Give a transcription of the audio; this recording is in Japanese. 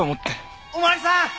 お巡りさーん！